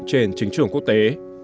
trên chính trường quốc tế